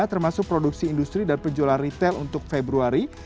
termasuk produksi industri dan penjualan retail untuk februari